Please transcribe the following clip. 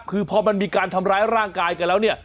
คือพอมันมีการทำร้ายร่างกายกันแล้วเนี่ย